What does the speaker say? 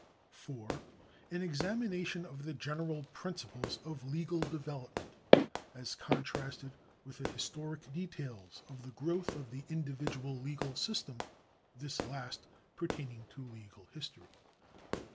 4. An examination of the general principles of legal development, as contrasted with the historic details of the growth of the individual legal system, this last pertaining to legal history.